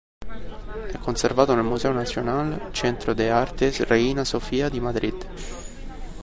È conservato nel Museo Nacional Centro de Arte Reina Sofía di Madrid.